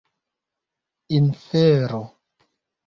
infero